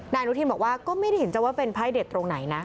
อนุทินบอกว่าก็ไม่ได้เห็นจะว่าเป็นไพ่เด็ดตรงไหนนะ